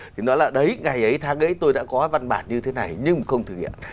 thì nói là đấy ngày ấy tháng đấy tôi đã có văn bản như thế này nhưng không thực hiện